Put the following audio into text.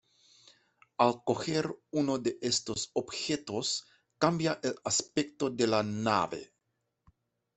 Al coger uno de estos objetos, cambia el aspecto de la nave.